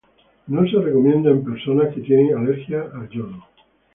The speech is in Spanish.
No se recomienda en personas que tienen alergia al yodo.